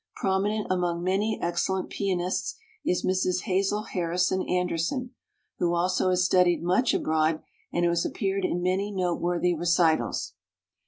Prominent among many ex cellent pianists is Mrs. Hazel Harrison Anderson, who also has studied much abroad and who has appeared in many noteworthy recitals.